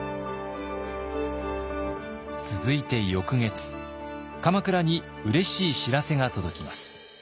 続いて翌月鎌倉にうれしい知らせが届きます。